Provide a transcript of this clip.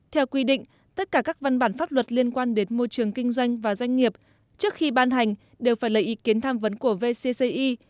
theo quy định tất cả các văn bản pháp luật liên quan đến môi trường kinh doanh và doanh nghiệp trước khi ban hành đều phải lấy ý kiến tham vấn của vcci